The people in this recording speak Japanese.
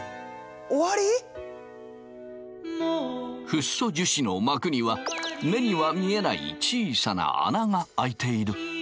フッ素樹脂の膜には目には見えない小さな穴があいている。